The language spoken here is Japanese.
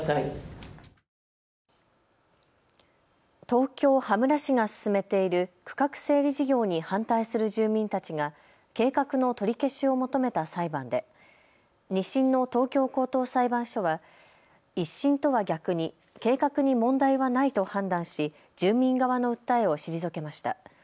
東京羽村市が進めている区画整理事業に反対する住民たちが計画の取り消しを求めた裁判で２審の東京高等裁判所は１審とは逆に計画に問題はないと判断し住民側の訴えを退けました。